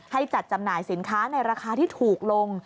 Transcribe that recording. ให้จัดจำหน่ายสินค้าในราคาที่ถูกลง